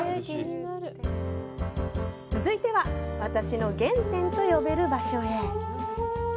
続いては、私の原点と呼べる場所へ。